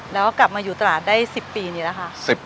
แล้วก็กลับมาอยู่ตลาดได้๑๐ปีนี้แล้วค่ะ